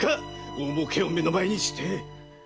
大儲けを目の前にして！